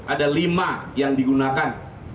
ada lima yang digunakan